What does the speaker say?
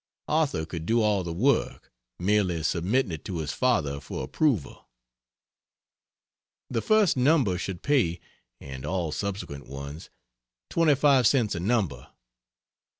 Arthur could do all the work, merely submitting it to his father for approval. The first number should pay and all subsequent ones 25 cents a number.